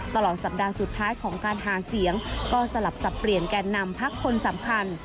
ตลอดสัปดาห์สุดท้ายของการหาเสียงก็สลับสับเปลี่ยนแกนนำพักคนสำคัญ